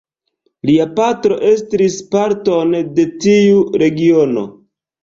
Lia patro estris parton de tiu regiono.